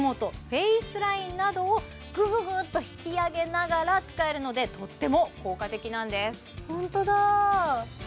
フェイスラインなどをぐぐぐっと引き上げながら使えるのでとっても効果的なんですホントだ！